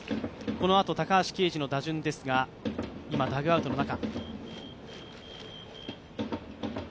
このあと高橋奎二の打順ですが今ダグアウトの中。